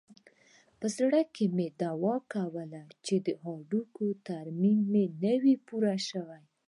په زړه کښې مې دعا کوله چې د هډوکي ترميم نه وي پوره سوى.